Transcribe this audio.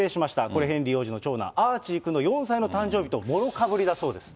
これ、ヘンリー王子の長男、アーチーくんの４歳の誕生日ともろかぶりだそうです。